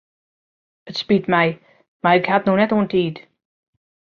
It spyt my mar ik ha it no net oan tiid.